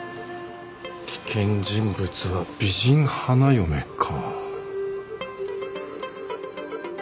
危険人物は美人花嫁か。